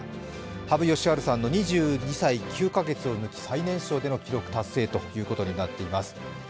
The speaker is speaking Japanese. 羽生善治さんの２２歳９カ月を抜き最年少での記録達成ということになっております。